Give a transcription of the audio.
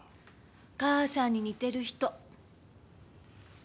母さんに似てる人。